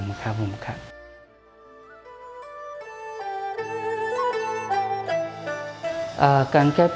การแก้พิชา